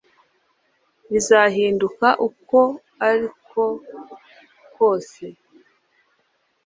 bizahinduka uko ariko kose